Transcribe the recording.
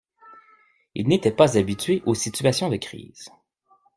Il n’était pas habitué aux situations de crise.